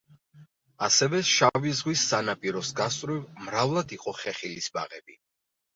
ასევე შავი ზღვის სანაპიროს გასწვრივ მრავლად იყო ხეხილის ბაღები.